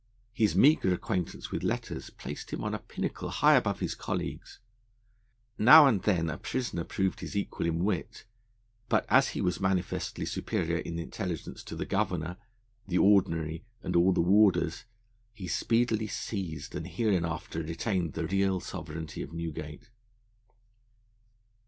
His meagre acquaintance with letters placed him on a pinnacle high above his colleagues. Now and then a prisoner proved his equal in wit, but as he was manifestly superior in intelligence to the Governor, the Ordinary, and all the warders, he speedily seized and hereafter retained the real sovereignty of Newgate.